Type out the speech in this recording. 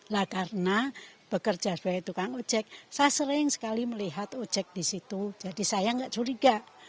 lah karena bekerja sebagai tukang ojek saya sering sekali melihat ojek di situ jadi saya nggak curiga